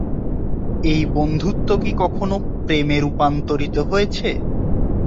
এই বন্ধুত্ব কি কখনও, প্রেমে রূপান্তরিত হয়েছে?